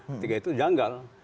ketika itu janggal